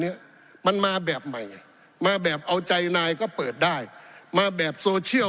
เนี้ยมันมาแบบใหม่มาแบบเอาใจนายก็เปิดได้มาแบบโซเชียล